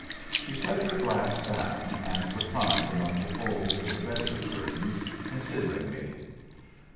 She set her glass down and reclined among the folds of the bedroom curtains, considering me.